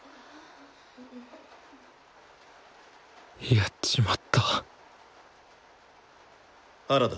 やっちまった原田。